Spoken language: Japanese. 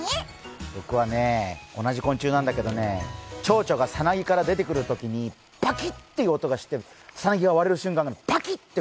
僕は同じ昆虫なんだけど、ちょうちょがさなぎから出てくるときにパキッていう音がして、さなぎから出る瞬間、パキッて！